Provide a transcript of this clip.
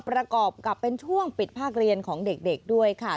ประกอบกับเป็นช่วงปิดภาคเรียนของเด็กด้วยค่ะ